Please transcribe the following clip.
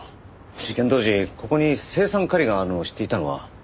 事件当時ここに青酸カリがあるのを知っていたのは？